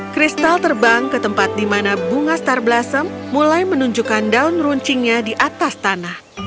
kristal terbang ke tempat di mana bunga star blossom mulai menunjukkan daun runcingnya di atas tanah